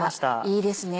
いいですね